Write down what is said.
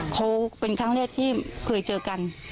เขาเป็นครั้งแรกที่เคยเจอกัน